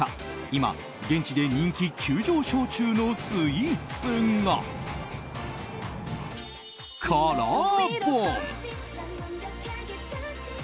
今、現地で人気急上昇中のスイーツがカラーボム。